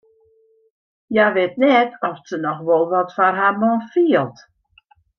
Hja wit net oft se noch wol wat foar har man fielt.